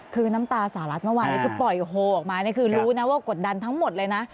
คือน้ำตาสหรัฐเมื่อวานนี้คือปล่อยโฮออกมานี่คือรู้นะว่ากดดันทั้งหมดเลยนะ